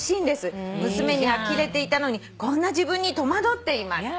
「娘にあきれていたのにこんな自分に戸惑っています」